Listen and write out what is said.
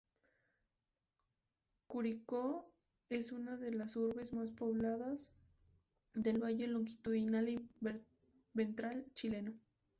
Curicó es una de las urbes más pobladas del valle longitudinal o ventral chileno.